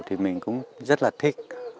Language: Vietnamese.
thì mình cũng rất là thích